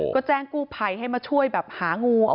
ก็แจ้งกู้ภัยให้มาช่วยแบบหางู